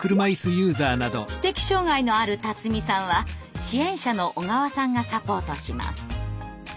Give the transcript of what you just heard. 知的障害のある辰己さんは支援者の小川さんがサポートします。